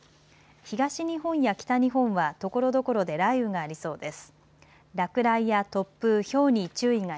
東日本や北日本はところどころで雷雨がありそうです。